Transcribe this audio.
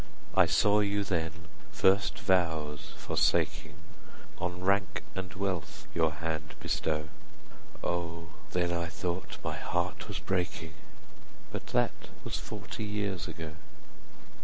20 I saw you then, first vows forsaking, On rank and wealth your hand bestow; O, then I thought my heart was breaking!— But that was forty years ago.